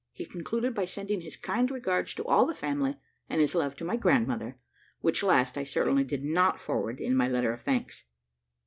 He concluded by sending his kind regards to all the family, and his love to my grandmother, which last I certainly did not forward in my letter of thanks.